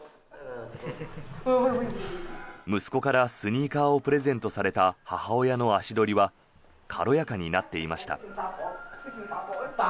息子からスニーカーをプレゼントされた母親の足取りは軽やかになっていました。